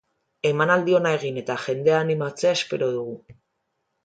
Emanaldi ona egin eta jendea animatzea espero dugu.